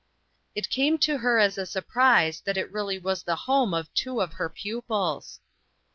It came to her as a surprise that it really was the home of two of her pupils.